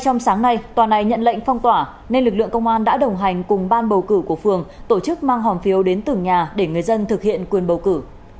trong sáng nay tòa này nhận lệnh phong tỏa nên lực lượng công an đã đồng hành cùng ban bầu cử của phường tổ chức mang hòm phiếu đến từng nhà để người dân thực hiện quyền bầu cử